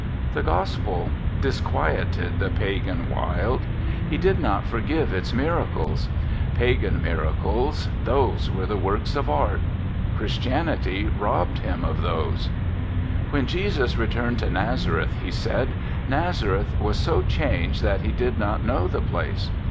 The Gospel disquieted the pagan Wilde. He did not forgive its miracles. Pagan 35 RECOLLECTIONS OF OSCAR WILDE miracles, those were works of art; Chris tianity robbed him of those. "When Jesus returned to Nazareth," he said, "Nazareth was so changed that he did not know the place.